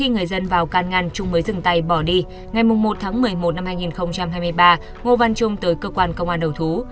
ngày một tháng một mươi một năm hai nghìn hai mươi ba ngô văn trung tới cơ quan công an đầu thú